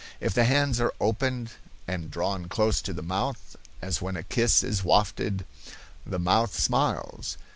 If the hands are opened and drawn close to the mouth, as when a kiss is wafted, the mouth smiles.